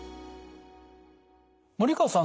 森川さん